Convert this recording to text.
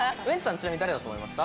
ちなみに誰だと思いました？